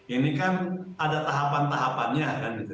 ini kan ada tahapan tahapannya